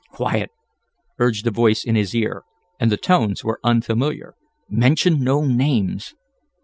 "Quiet!" urged a voice in his ear, and the tones were unfamiliar. "Mention no names!"